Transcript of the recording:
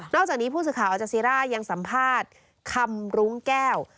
จากนี้ผู้สื่อข่าวอาจาซีร่ายังสัมภาษณ์คำรุ้งแก้ว